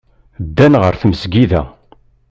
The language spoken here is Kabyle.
Ddan ɣer tmesgida.